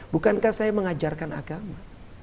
bukankah saya mengajarkan agama